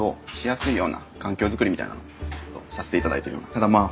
ただまあ